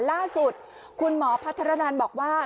ล่าสุดคุณหมอพัฒนันบอกว่า